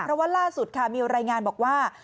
เพราะว่าล่าสุดค่ะมีรายงานบอกว่า